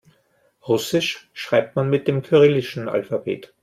Russisch schreibt man mit dem kyrillischen Alphabet.